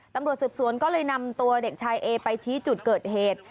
ตำรวจสืบสวนก็เลยนำตัวเด็กชายเอไปชี้จุดเกิดเหตุ